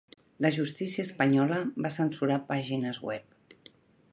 La justícia espanyola va censurar pàgines web